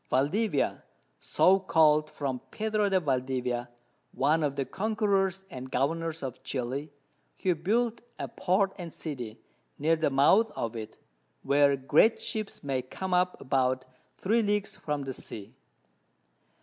Valdivia, so called from Pedro de Valdivia, one of the Conquerors and Governors of Chili, who built a Port and City, near the Mouth of it, where great Ships may come up about 3 Leagues from the Sea.